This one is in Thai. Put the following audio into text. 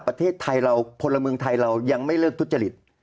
ประเทศไทยเราพลเมืองไทยเรายังไม่เลิกทุจริต